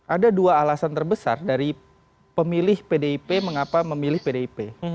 ada dua alasan terbesar dari pemilih pdip mengapa memilih pdip